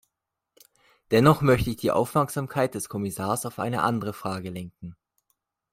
Dennoch möchte ich die Aufmerksamkeit des Kommissars auf eine andere Frage lenken.